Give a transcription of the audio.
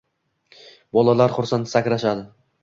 Bolalar xursand sakrashadi